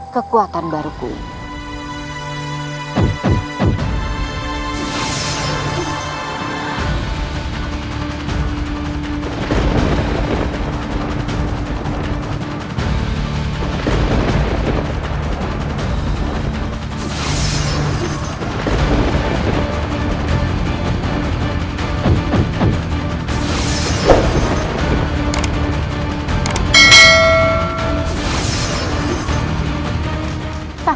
kekuatan baru ku ini